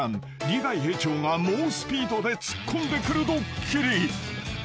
リヴァイ兵長が猛スピードで突っ込んでくるドッキリ］